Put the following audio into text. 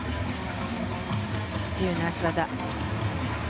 自由な脚技。